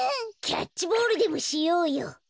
キャッチボールでもしようよ！